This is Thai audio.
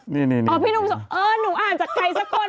นี่พี่หนุ่มเออหนูอ่านจากใครสักคน